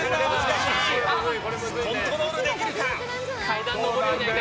コントロールできるか？